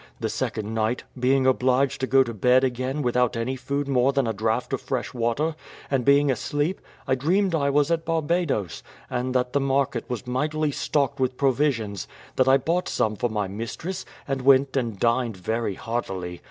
The second night, being obliged to go to bed again without any food more than a draught of fresh water, and being asleep, I dreamed I was at Barbadoes, and that the market was mightily stocked with provisions; that I bought some for my mistress, and went and dined very heartily.